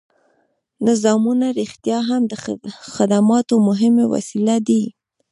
نظامونه رښتیا هم د خدماتو مهمې وسیلې دي.